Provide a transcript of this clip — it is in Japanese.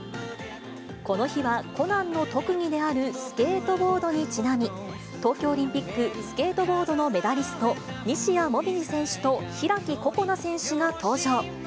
この日は、コナンの特技であるスケートボードにちなみ東京オリンピックスケートボードのメダリスト、西矢椛選手と、開心那選手が登場。